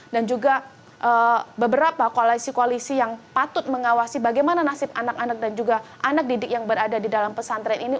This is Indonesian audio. dan juga beberapa koalisi koalisi yang patut mengawasi bagaimana nasib anak anak dan juga anak didik yang berada di dalam pesantren ini